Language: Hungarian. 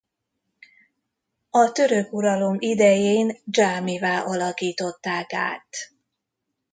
A török uralom idején dzsámivá alakították át.